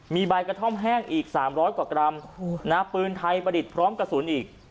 มีใบกระท่อมแห้งอีกสามร้อยกว่ากรัมโอ้โหนะปืนไทยประดิษฐ์พร้อมกระสุนอีก